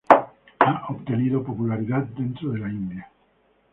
Han obtenido popularidad dentro de la India.